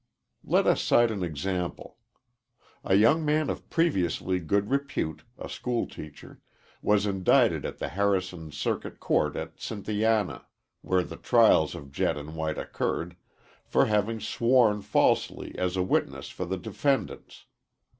Let us cite an example: A young man of previously good repute, a school teacher, was indicted in the Harrison Circuit Court at Cynthiana, where the trials of Jett and White occurred, for having sworn falsely as a witness for the defendants.